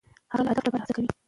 هغه د هدف لپاره هڅه کوي.